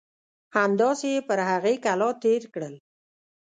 همداسې یې پر هغې کلا تېر کړل.